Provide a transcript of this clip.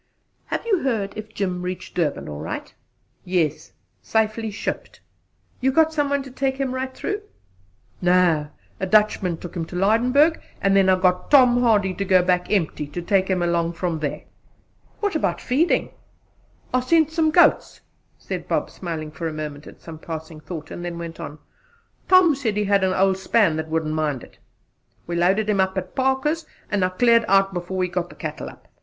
"Have you heard if Jim reached Durban all right?" "Yes! Safely shipped." "You got some one to take him right through?" "No! A Dutchman took him to Lydenburg, and I got Tom Hardy, going back empty, to take him along from there." "What about feeding?" "I sent some goats," said Bob, smiling for a moment at some passing thought, and then went on: "Tom said he had an old span that wouldn't mind it. We loaded him up at Parker's, and I cleared out before he got the cattle up.